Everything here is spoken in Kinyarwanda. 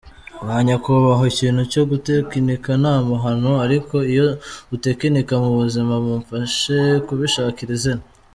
Banyakubahwa ikintu cyo gutekinika ni amahano ariko iyo utekinika mu buzima mumfashe kubishakira izina.